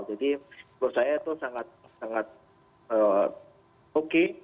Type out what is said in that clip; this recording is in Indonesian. jadi menurut saya itu sangat oke